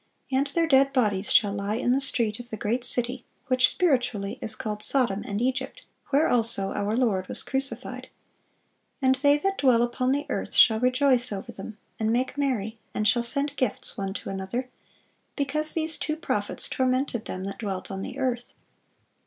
And their dead bodies shall lie in the street of the great city, which spiritually is called Sodom and Egypt, where also our Lord was crucified.... And they that dwell upon the earth shall rejoice over them, and make merry, and shall send gifts one to another; because these two prophets tormented them that dwelt on the earth.